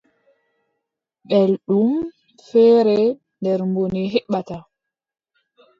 Belɗum feere nder bone heɓata.